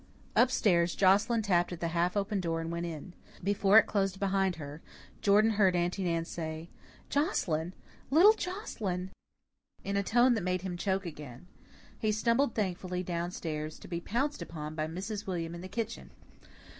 Up stairs, Joscelyn tapped at the half open door and went in. Before it closed behind her, Jordan heard Aunty Nan say, "Joscelyn! Little Joscelyn!" in a tone that made him choke again. He stumbled thankfully down stairs, to be pounced upon by Mrs. William in the kitchen.